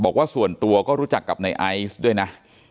บอกว่าส่วนตัวก็รู้จักกับในไอซ์ด้วยนะ